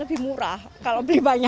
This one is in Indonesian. lebih murah kalau beli banyak